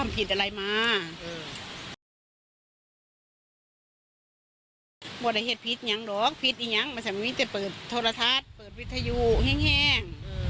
พ่อเลยเผ็ดพิษอย่างหรอกพิษอีกอย่างมันสำหรับพี่จะเปิดทรทัศน์เปิดวิทยุแห้ง